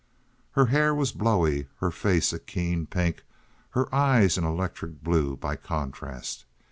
Her hair was blowy, her face a keen pink, her eyes an electric blue by contrast.